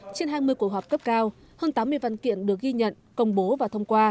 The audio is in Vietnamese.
trên hai mươi cuộc họp cấp cao hơn tám mươi văn kiện được ghi nhận công bố và thông qua